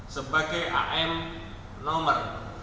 sebagai am nomor satu ratus dua puluh tiga